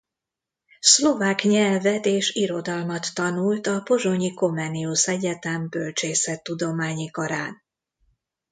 Szlovák nyelvet és irodalmat tanult a pozsonyi Comenius Egyetem Bölcsészettudományi Karán.